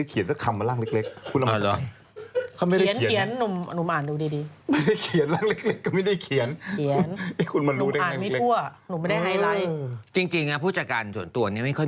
ยี่สิบอ่ะเหนื่อยเรื่องอื่นเหนื่อย